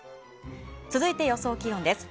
続いて予想気温です。